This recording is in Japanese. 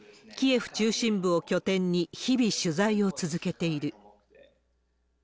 キエフ中心部を拠点に、日々取材を続けている。